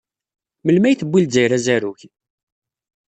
Melmi ay tewwi Lezzayer azarug?